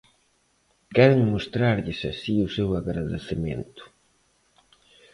Queren mostrarlles así o seu agradecemento.